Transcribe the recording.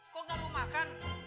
kok nggak mau makan